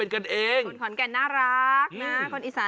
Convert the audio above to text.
สุดยอดน้ำมันเครื่องจากญี่ปุ่น